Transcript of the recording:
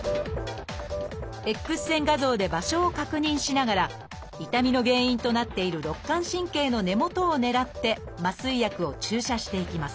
Ｘ線画像で場所を確認しながら痛みの原因となっている肋間神経の根元を狙って麻酔薬を注射していきます。